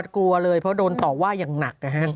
กลัวเลยเพราะโดนต่อว่าอย่างหนัก